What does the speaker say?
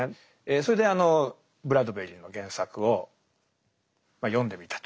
それであのブラッドベリの原作をまあ読んでみたと。